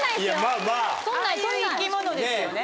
ああいう生き物ですよね。